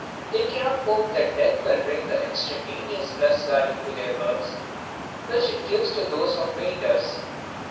They cannot hope that death will bring that instantaneous plus value to their works which it gives to those of the painters.